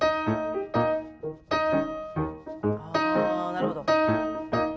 あなるほど。